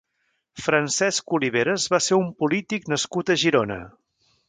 Francesc Oliveres va ser un polític nascut a Girona.